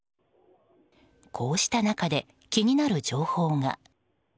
こうした中で気になる情報が。